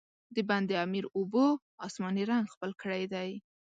د بند امیر اوبو، آسماني رنګ خپل کړی دی.